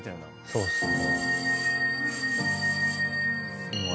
そうっすね。